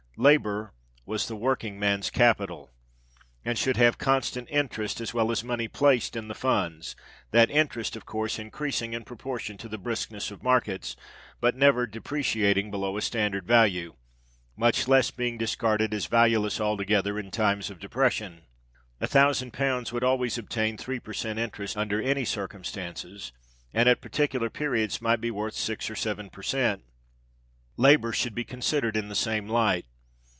Labour was the working man's capital, and should have constant interest, as well as money placed in the funds—that interest of course increasing in proportion to the briskness of markets; but never depreciating below a standard value—much less being discarded as valueless altogether, in times of depression. A thousand pounds would always obtain three per cent. interest, under any circumstances; and, at particular periods, might be worth six or seven per cent. Labour should be considered in the same light.